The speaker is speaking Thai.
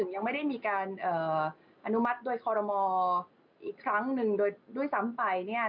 ยังไม่ได้มีการอนุมัติโดยคอรมออีกครั้งหนึ่งโดยด้วยซ้ำไป